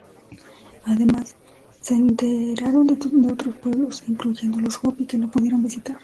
Además, se enteraron de otros pueblos, incluyendo los Hopi que no pudieron visitar.